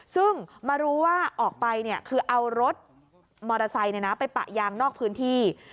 ซึ่งมารู้ว่าออกไปคือเอารถมอเตอร์ไซค์ไปปะยางนอกพื้นที่